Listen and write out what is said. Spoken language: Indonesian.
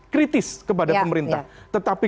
kritis kepada pemerintah tetapi